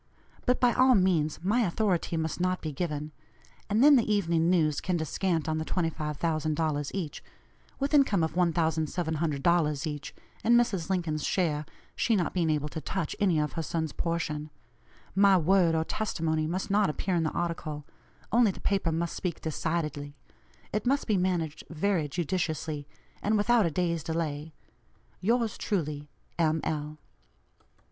But by all means my authority must not be given. And then the Evening News can descant on the $25,000 each, with income of $1,700 each, and Mrs. Lincoln's share, she not being able to touch any of her sons' portion. My word or testimony must not appear in the article; only the paper must speak decidedly. It must be managed very judiciously, and without a day's delay. "Yours truly, "M. L."